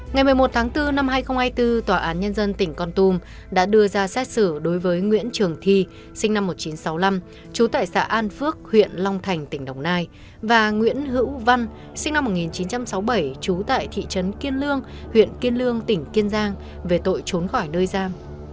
ngày một mươi một tháng bốn năm hai nghìn hai mươi bốn tòa án nhân dân tỉnh con tum đã đưa ra xét xử đối với nguyễn trường thi sinh năm một nghìn chín trăm sáu mươi năm trú tại xã an phước huyện long thành tỉnh đồng nai và nguyễn hữu văn sinh năm một nghìn chín trăm sáu mươi bảy trú tại thị trấn kiên lương huyện kiên lương tỉnh kiên giang về tội trốn khỏi nơi giam